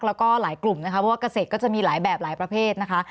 แล้วก็หลายกลุ่มนะคะเพราะว่าเกษตรก็จะมีหลายแบบหลายประเภทนะคะ